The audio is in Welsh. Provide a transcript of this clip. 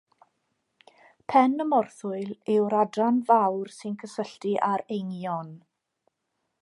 Pen y morthwyl yw'r adran fawr sy'n cysylltu â'r eingion.